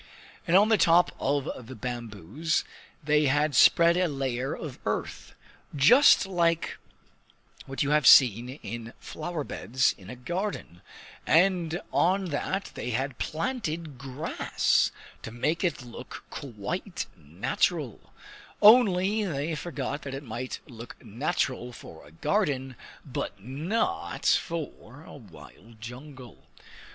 And on the top of the bamboos they had spread a layer of earth just like what you have seen in flower beds in a garden; and on that they had planted grass, to make it look quite natural only, they forgot that it might look natural for a garden, but not for a wild jungle.